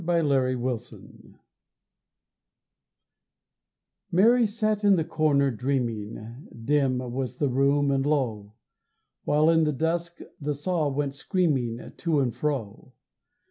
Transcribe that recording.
IN THE CARPENTER'S SHOP MARY sat in the corner dreaming, Dim was the room and low, While in the dusk, the saw went screaming To and fro.